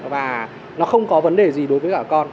và nó không có vấn đề gì đối với cả con